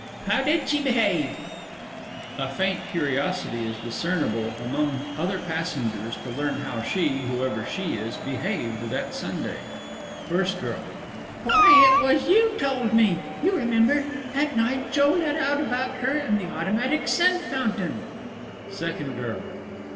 How did she behave? [A faint curiosity is discernible amongst the other passengers to learn how she whoever she is behaved that Sunday. FIRST GIRL. Why, it was you told me! You remember. That night Joe let out about her and the automatic scent fountain. SECOND GIRL.